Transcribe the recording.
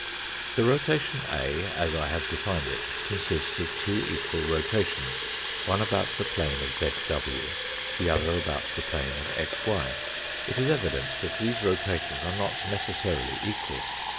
The rotation A, as I have defined it, consists of two equal rotations one about the plane of zw, the other about the plane of xy. It is evident that these rotations are not necessarily equal.